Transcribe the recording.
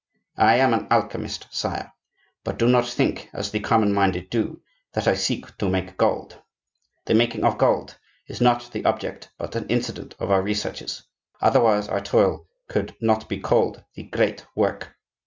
I am an alchemist, sire. But do not think, as the common minded do, that I seek to make gold. The making of gold is not the object but an incident of our researches; otherwise our toil could not be called the GREAT WORK.